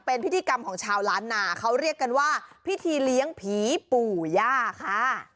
เป็นพิธีกรรมของชาวล้านนาเขาเรียกกันว่าพิธีเลี้ยงผีปู่ย่าค่ะ